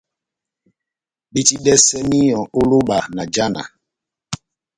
Betidɛsɛ míyɔ ó lóba na jána.